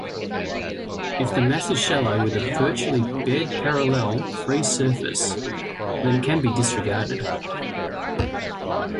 If the mass is shallow with a virtually bed-parallel free-surface, then can be disregarded.